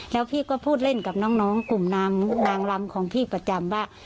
แล้วพี่ก็พูดเล่นกับน้องกลุ่มนางลำของพี่ประจำว่า